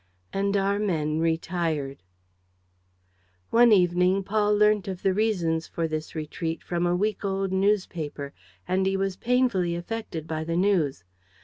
And our men retired. One evening, Paul learnt one of the reasons for this retreat from a week old newspaper; and he was painfully affected by the news.